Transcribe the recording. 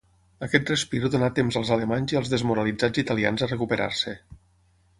Aquest respir donà temps als alemanys i als desmoralitzats italians a recuperar-se.